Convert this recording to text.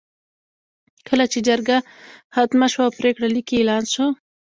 کله چې جرګه ختمه شوه او پرېکړه لیک یې اعلان شو.